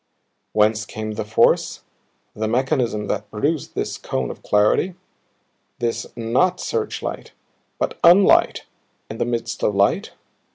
Whence came the force, the mechanism that produced this cone of clarity, this NOT searchlight, but unlight in the midst of light?